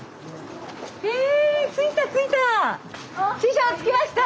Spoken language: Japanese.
へえ着いた着いた。